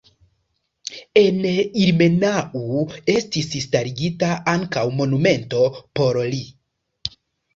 En Ilmenau estis starigita ankaŭ monumento por li.